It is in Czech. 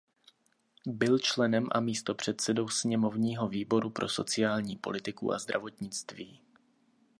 Byl členem a místopředsedou sněmovního výboru pro sociální politiku a zdravotnictví.